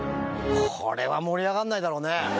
これは盛り上がらないだろうね。